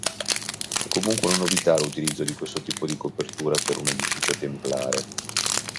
Fu comunque una novità l'utilizzo di questo tipo di copertura per un edificio templare.